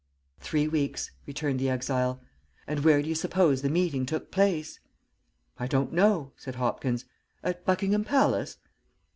"Three weeks," returned the exile. "And where do you suppose the meeting took place?" "I don't know," said Hopkins. "At Buckingham Palace?"